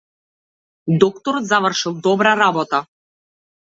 Докторот завршил добра работа.